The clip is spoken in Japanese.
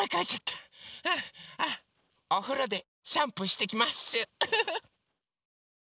おふろでシャンプーしてきます。